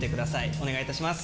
お願いいたします。